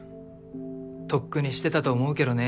とっくにしてたと思うけどね